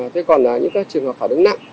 thế còn là những cái trường hợp phản ứng nặng